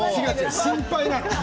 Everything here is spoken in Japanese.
心配なの。